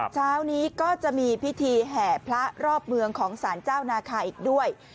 เช้านี้ก็จะมีพิธีแห่พระรอบเมืองของสารเจ้านาคาอีกด้วย